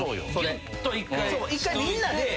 一回みんなで。